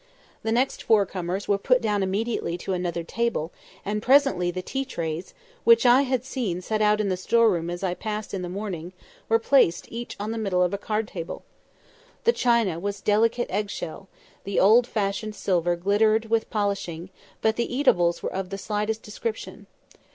The next four comers were put down immediately to another table; and presently the tea trays, which I had seen set out in the store room as I passed in the morning, were placed each on the middle of a card table. The china was delicate egg shell; the old fashioned silver glittered with polishing; but the eatables were of the slightest description.